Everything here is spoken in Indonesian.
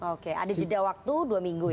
oke ada jeda waktu dua minggu ya